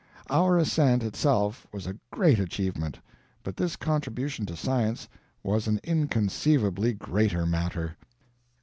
Our ascent itself was a great achievement, but this contribution to science was an inconceivably greater matter.